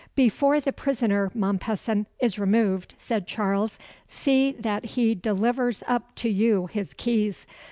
"Before the prisoner, Mompesson, is removed," said Charles, "see that he delivers up to you his keys.